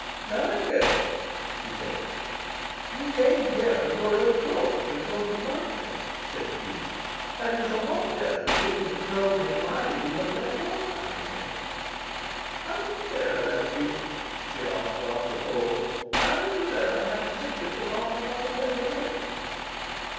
"Now I'm going," she said. "You came here of your own accord, because you loved me," said the Duke. "And you shall not go till you have told me why you have left off loving me." "How did you know I loved you?" she asked after a pause. "How did you know I hadn't simply put on another pair of ear rings?"